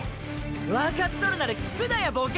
わかっとるなら聞くなやボケ！